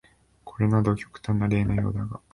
これなど極端な例のようだが、